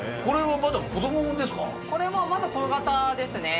これはまだ小形ですね。